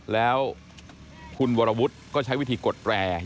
แล้วคุณวรวุฒิก็ใช้วิธีกดแรร์